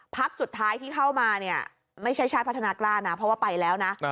สุดท้ายที่เข้ามาเนี่ยไม่ใช่ชาติพัฒนากล้านะเพราะว่าไปแล้วนะ